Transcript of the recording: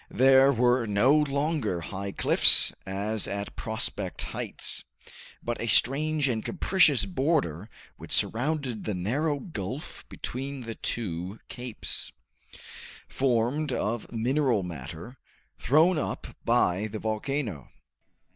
There were no longer high cliffs as at Prospect Heights, but a strange and capricious border which surrounded the narrow gulf between the two capes, formed of mineral matter, thrown up by the volcano.